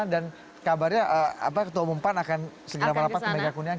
dan kabarnya ketua umum empat akan segera melapak ke megakuningan